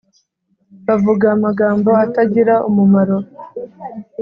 Bavuga amagambo atagira umumaro